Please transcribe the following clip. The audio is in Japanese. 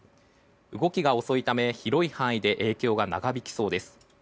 動きが遅いため広い範囲で影響が長引きそうです。